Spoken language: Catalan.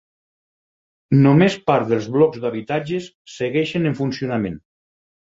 Només part dels blocs d'habitatges segueixen en funcionament.